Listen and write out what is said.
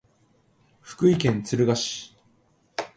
福井県敦賀市